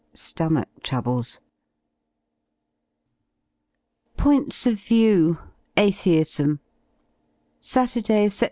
Stomach troubles. POINTS OF VIEW: ATHEISM Saturday^ Sept.